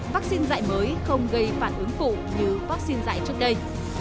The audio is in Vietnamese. vắc xin dạy mới không gây phản ứng phụ như vắc xin dạy trước đây